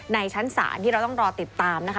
ในชั้นศาลที่เราต้องรอติดตามนะคะ